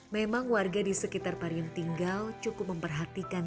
memang warga di sekitar pariem tinggal cukup memperhatikan